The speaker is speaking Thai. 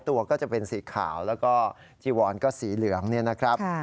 ตัวก็จะเป็นสีขาวแล้วก็จีวอนก็สีเหลืองเนี่ยนะครับ